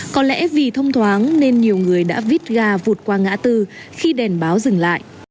có lẽ vì thông thoáng nên nhiều người đã vít ga vụt qua ngã tư khi đèn báo dừng lại